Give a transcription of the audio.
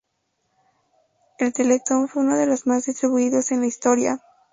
El teletón fue uno de los más distribuidos en la historia.